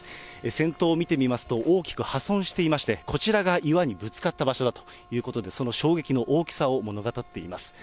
先頭を見てみますと、大きく破損していまして、こちらが岩にぶつかった場所だということで、その衝撃の大きさを物語っています。